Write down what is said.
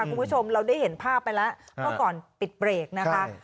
คุณผู้ชมเราได้เห็นภาพไปแล้วเมื่อก่อนปิดเบรกนะคะ